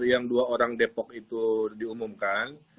yang dua orang depok itu diumumkan